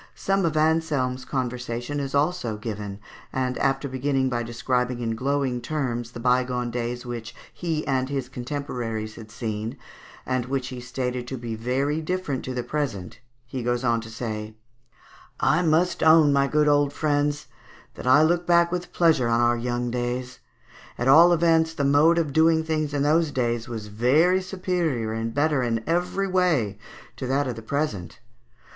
Some of Anselme's conversation is also given, and after beginning by describing in glowing terms the bygone days which he and his contemporaries had seen, and which he stated to be very different to the present, he goes on to say, "I must own, my good old friends, that I look back with pleasure on our young days; at all events the mode of doing things in those days was very superior and better in every way to that of the present....